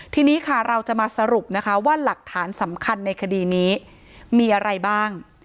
ทีนี้ค่ะเราจะมาสรุปนะคะว่าหลักฐานสำคัญในคดีนี้มีอะไรบ้าง